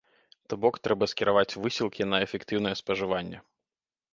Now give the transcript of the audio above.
То бок трэба скіраваць высілкі на эфектыўнае спажыванне.